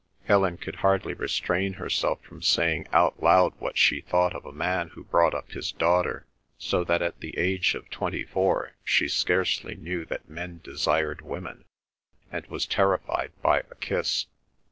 Helen could hardly restrain herself from saying out loud what she thought of a man who brought up his daughter so that at the age of twenty four she scarcely knew that men desired women and was terrified by a kiss.